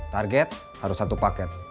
target harus satu paket